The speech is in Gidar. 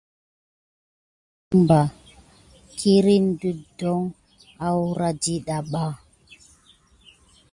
Tät dumpag ɓa kirini wudon akura dida pay ki.